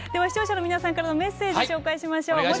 視聴者の皆さんからのメッセージをご紹介しましょう。